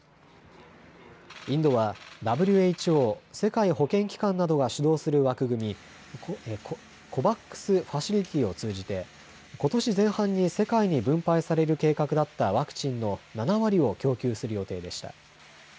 インドはＷＨＯ・世界保健機関などが主導する枠組み、ＣＯＶＡＸファシリティを通じてことし前半に世界に分配される計画だったワクチンの７割を供給する予定でした。